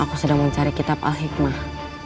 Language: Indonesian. aku sedang mencari kitab al hikmah